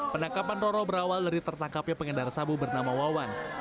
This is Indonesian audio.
penangkapan roro berawal dari tertangkapnya pengendara sabu bernama wawan